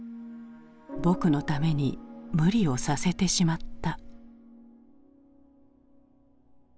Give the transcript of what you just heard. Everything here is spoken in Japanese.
「僕のために無理をさせてしまった」。